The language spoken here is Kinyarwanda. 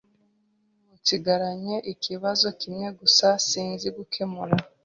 Nsigaranye ikibazo kimwe gusa sinzi gukemura.